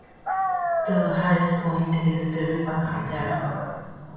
The highest point is Deriba Caldera.